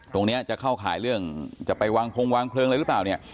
ตรงเนี่ยจะเข้าขายเรื่องจะไปวางพงวางเครื่องอะไรรึเปล่าเนี่ย